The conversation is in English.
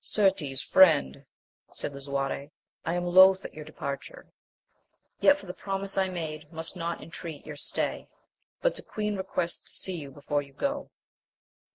Certes, friend, said Lisuarte, I am loth at your departure, yet for the promise I made must not entreat your stay ; but the queen requests to see you before you go.